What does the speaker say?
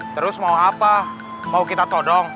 terus mau apa mau kita todong